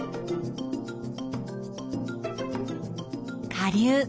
下流。